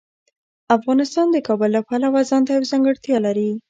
افغانستان د کابل له پلوه ځانته یوه ځانګړتیا لري.